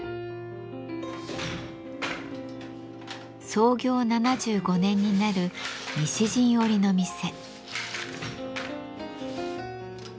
創業７５年になる西陣織の店。